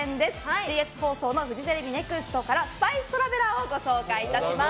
ＣＳ放送のフジテレビＮＥＸＴから「スパイストラベラー」をご紹介いたします。